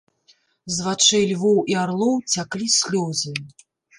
З вачэй львоў і арлоў цяклі слёзы.